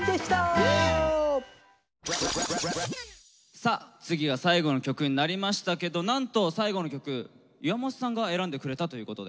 さあ次は最後の曲になりましたけどなんと最後の曲岩本さんが選んでくれたということで。